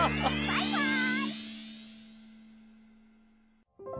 バイバイ！